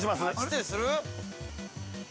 ◆失礼する？